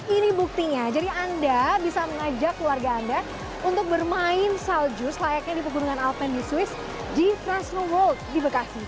ini buktinya jadi anda bisa mengajak keluarga anda untuk bermain salju selayaknya di pegunungan alpen di swiss di transnoworld di bekasi